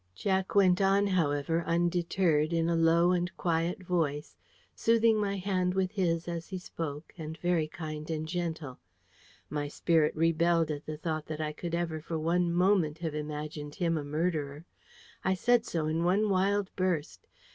Jack went on, however, undeterred, in a low and quiet voice, soothing my hand with his as he spoke, and very kind and gentle. My spirit rebelled at the thought that I could ever for one moment have imagined him a murderer. I said so in one wild burst.